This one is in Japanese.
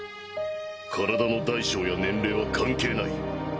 体の大小や年齢は関係ない。